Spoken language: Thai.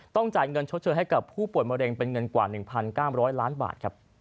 จ่ายเงินชดเชยให้กับผู้ป่วยมะเร็งเป็นเงินกว่า๑๙๐๐ล้านบาทครับ